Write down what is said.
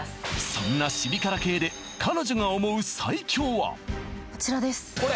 そんなシビ辛系で彼女が思う最強はこちらです